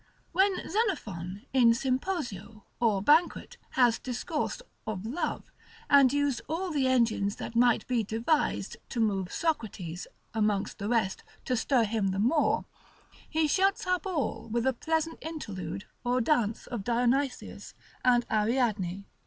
When Xenophon, in Symposio, or Banquet, had discoursed of love, and used all the engines that might be devised, to move Socrates, amongst the rest, to stir him the more, he shuts up all with a pleasant interlude or dance of Dionysius and Ariadne.